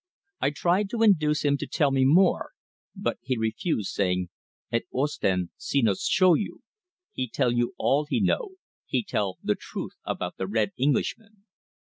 I tried to induce him to tell me more, but he refused, saying: "At Ostend Senos show you. He tell you all he know he tell the truth about the 'Red' Englishman."